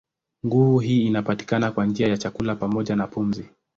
Nguvu hii inapatikana kwa njia ya chakula pamoja na pumzi.